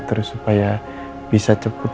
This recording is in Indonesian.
terus supaya bisa cepat